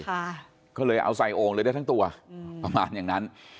ค่ะก็เลยเอาใส่โอ่งเลยได้ทั้งตัวอืมประมาณอย่างนั้น